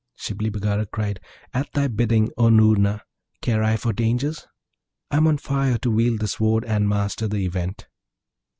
Shibli Bagarag cried, 'At thy bidding, O Noorna! Care I for dangers? I'm on fire to wield the Sword, and master the Event.'